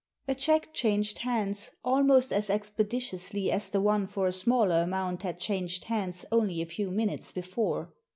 A cheque changed hands almost as expeditiously as the one for a smaller amount had changed hands only a few minutes before.